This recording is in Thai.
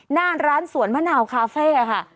หน้าร้านสวนมะนาวคาเฟ่ค่ะ